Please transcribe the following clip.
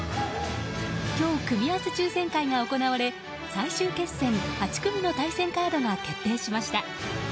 今日、組み合わせ抽選会が行われ最終決戦８組の対戦カードが決定しました。